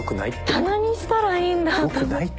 棚にしたらいいんだと思って。